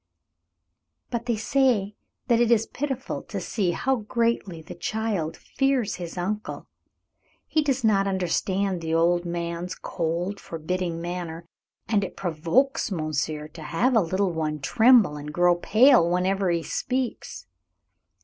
"But they say that it is pitiful to see how greatly the child fears his uncle. He does not understand the old man's cold, forbidding manner, and it provokes monsieur to have the little one tremble and grow pale whenever he speaks.